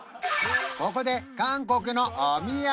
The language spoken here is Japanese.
ここで韓国のお土産